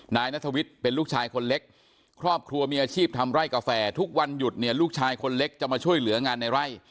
นายนัทวิทย์เป็นลูกชายคนเล็กครอบครัวมีอาชีพทำไร่กาแฟทุกวันหยุดเนี่ยลูกชายคนเล็กจะมาช่วยเหลืองานในไร่